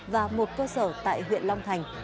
và một cơ sở tại huyện long thành